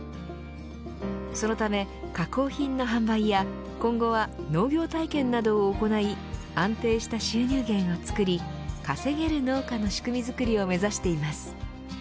そのため加工品の販売や今後は農業体験などを行い安定した収入源を作り稼げる農家の仕組みづくりを目指しています。